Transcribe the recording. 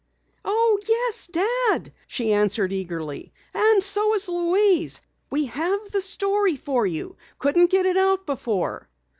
"Oh, yes, Dad!" she answered eagerly. "And so is Louise! We have the story for you couldn't get it out before."